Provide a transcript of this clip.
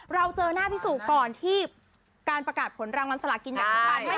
เราเจอหน้าพี่สุก่อนที่การประกาศผลรางวัลสลากินแบ่งรัฐบาล